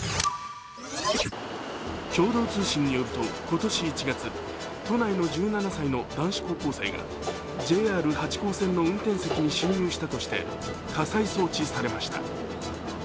共同通信によると今年１月都内の１７歳の男子高校生がＪＲ八高線の運転席に侵入したとして家裁送致されました。